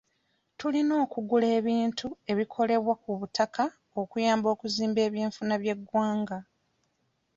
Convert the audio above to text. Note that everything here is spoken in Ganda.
Tulina okugula ebintu ebikolebwa ku butaka okuyamba okuzimba eby'enfuna by'eggwanga.